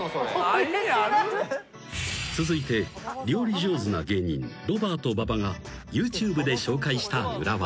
［続いて料理上手な芸人ロバート馬場がＹｏｕＴｕｂｅで紹介した裏技］